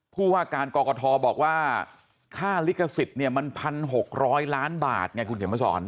ผู้ว่าการกกทบอกว่าค่าลิขสิทธิ์เนี่ยมัน๑๖๐๐ล้านบาทไงคุณเขียนมาสอน